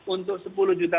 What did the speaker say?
untuk sepuluh juta